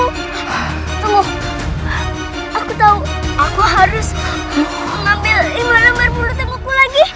tunggu aku tahu aku harus mengambil iman amat bulu tengkuku lagi